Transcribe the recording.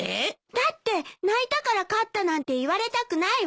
だって泣いたから勝ったなんて言われたくないわ。